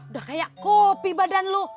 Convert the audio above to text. udah kayak kopi badan lo